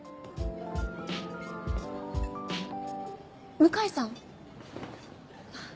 向井さん？